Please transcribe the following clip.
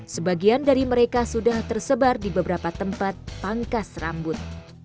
sebagian dari mereka sudah tersebar di beberapa tempat pangkas rambut